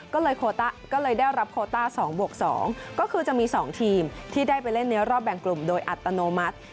ก็เลยได้รับโคต้า๒บวก๒ก็คือจะมี๒ทีมที่ได้ไปเล่นในรอบแบ่งกลุ่มโดยอัตโนมัติ